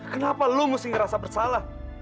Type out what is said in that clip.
kenapa lo mesti ngerasa bersalah